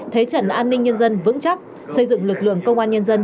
thế trận an ninh nhân dân vững chắc xây dựng lực lượng công an nhân dân